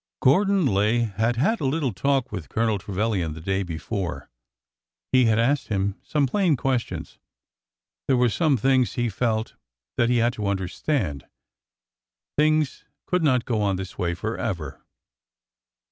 Gordon Lay had had a little talk with Colonel Trevilian the day before. He had asked him some plain questions. There were some things he felt that he had to understand. Things could not go on this way forever.